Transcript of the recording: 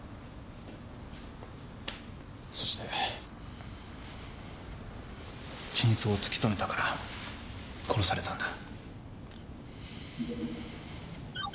そして真相を突き止めたから殺されたんだ。